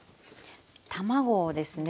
卵をですね